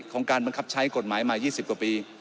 การบังคับใช้กฎหมายมา๒๐กว่าปี